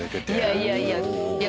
いやいやいや。